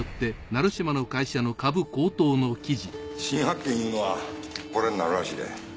新発見いうのはこれになるらしいで。